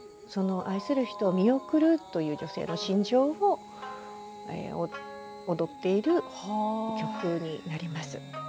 愛する人を見送るという女性の心情を踊っている曲になります。